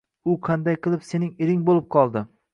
U qanday qilib sening ering bo`lib qoldi